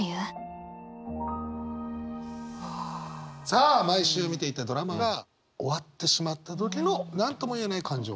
さあ毎週見ていたドラマが終わってしまった時の何とも言えない感情。